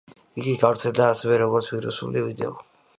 იგი გავრცელდა ასევე როგორც ვირუსული ვიდეო.